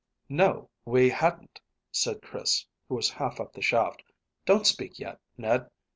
"No, we hadn't," said Chris, who was half up the shaft. "Don't speak yet, Ned.